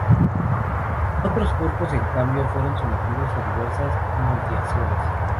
Otros cuerpos, en cambio, fueron sometidos a diversas mutilaciones.